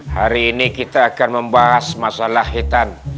hari ini kita akan membahas masalah hitam